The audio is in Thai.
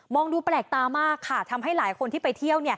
ดูแปลกตามากค่ะทำให้หลายคนที่ไปเที่ยว